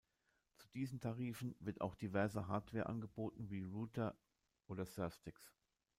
Zu diesen Tarifen wird auch diverse Hardware angeboten wie Router oder Surf-Sticks.